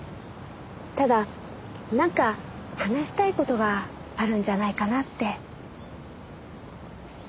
ただなんか話したい事があるんじゃないかなって。